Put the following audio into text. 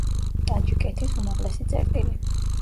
ტაჯიკეთის უმაღლესი წერტილი.